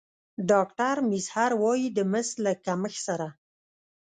ډاکتر میزهر وايي د مس له کمښت سره